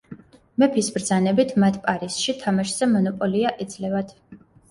მეფის ბრძანებით მათ პარიზში თამაშზე მონოპოლია ეძლევათ.